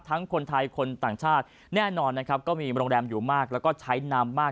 คนไทยคนต่างชาติแน่นอนนะครับก็มีโรงแรมอยู่มากแล้วก็ใช้น้ำมาก